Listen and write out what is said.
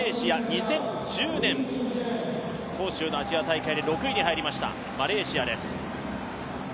２０１０年、広州のアジア大会で６位に入りました。